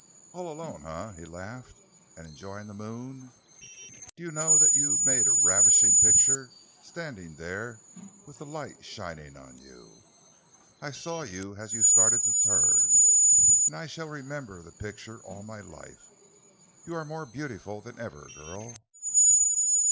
"All alone, eh?" he laughed. "And enjoying the moon? Do you know that you made a ravishing picture, standing there with the light shining on you? I saw you as you started to turn, and I shall remember the picture all my life! You are more beautiful than ever, girl!"